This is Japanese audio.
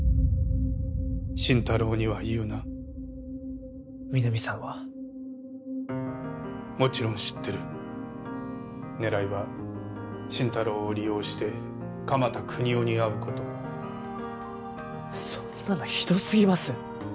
心太朗には言うな皆実さんはもちろん知ってる狙いは心太朗を利用して鎌田國士に会うことそんなのひどすぎます